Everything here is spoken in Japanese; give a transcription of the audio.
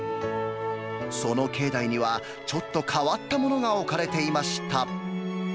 その境内には、ちょっと変わったものが置かれていました。